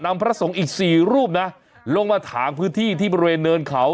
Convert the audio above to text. พระสงฆ์อีกสี่รูปนะลงมาถางพื้นที่ที่บริเวณเนินเขา